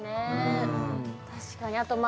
確かにあとまあ